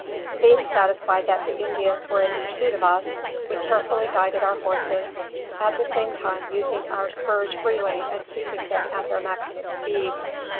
Being satisfied that the Indians were in pursuit of us, we carefully guided our horses, at the same time using our spurs freely and keeping them at their maximum speed.